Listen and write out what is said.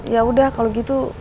yaudah kalau gitu